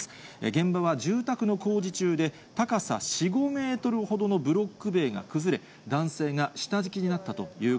現場は住宅の工事中で、高さ４、５メートルほどのブロック塀が崩れ、男性が下敷きになったという